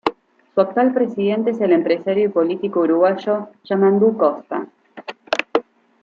Su actual presidente es el empresario y político uruguayo Yamandú Costa.